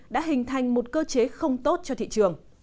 đã hình thành một cơ chế không tốt cho thị trường